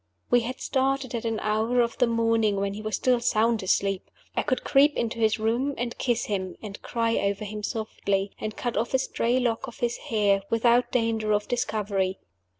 We had started at an hour of the morning when he was still sound asleep. I could creep into his room, and kiss him, and cry over him softly, and cut off a stray lock of his hair, without danger of discovery.